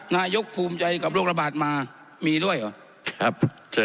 นายกภูมิใจกับโรครบาทมามีด้วยเหรอ